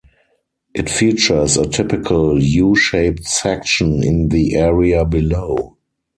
It features a typical U-shaped section in the area below.